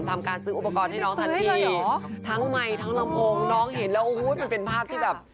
ทำการซื้ออุปกรณ์ให้น้องทันทีทั้งไมค์ทั้งลำโพงน้องเห็นแล้วโอ้โหมันเป็นภาพที่แบบ